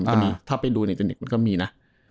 มันก็มีถ้าไปดูในอินเตอร์เนคมันก็มีนะ